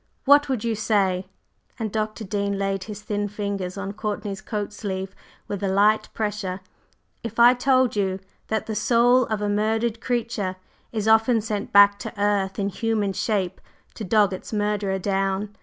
What would you say," and Dr. Dean laid his thin fingers on Courtney's coat sleeve with a light pressure, "if I told you that the soul of a murdered creature is often sent back to earth in human shape to dog its murderer down?